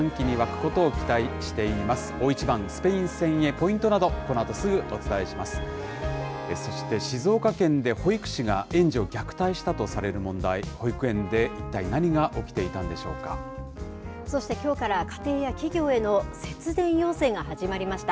そして静岡県で保育士が園児を虐待したとされる問題、保育園で一そしてきょうから家庭や企業への節電要請が始まりました。